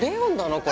これ。